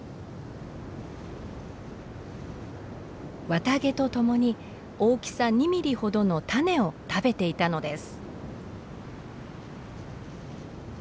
綿毛とともに大きさ２ミリほどの種を食べていたのです。